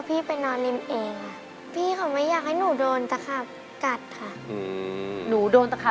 ๒ปวดไหมคะ